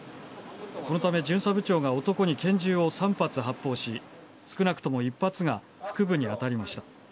このため巡査部長が男に拳銃を３発発砲し少なくとも１発が腹部に当たりました。